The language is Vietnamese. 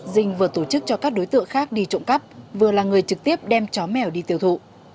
dinh vừa tổ chức cho các đối tượng khác đi trộm cắp vừa là người trực tiếp đem chó mèo đi tiêu thụ